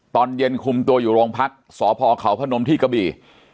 ตอนเย็นคุมตัวอยู่โรงพักษ์สพขพที่กระบี